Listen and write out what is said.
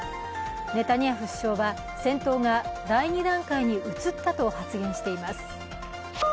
ネタニヤフ首相は、戦闘が第２段階に移ったと発言しています。